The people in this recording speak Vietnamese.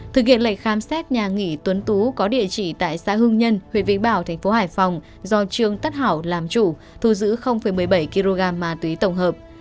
thực hiện lệnh khám xét nhà nghỉ tuấn tú có địa chỉ tại xã hưng nhân huyện vĩnh bảo thành phố hải phòng do trương tất hảo làm chủ thu giữ một mươi bảy kg ma túy tổng hợp